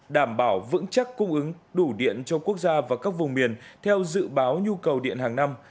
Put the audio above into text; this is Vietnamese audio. đảm bảo vững chắc cung ứng đủ điện cho quốc gia và các vùng miền theo dự báo nhu cầu điện hàng năm